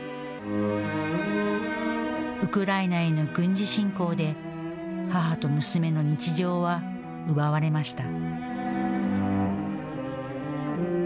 ウクライナへの軍事侵攻で、母と娘の日常は奪われました。